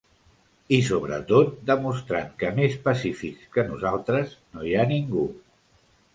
I sobretot, demostrant que més pacífics que nosaltres no hi ha ningú.